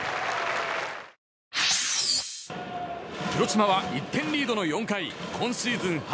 広島は１点リードの４回今シーズン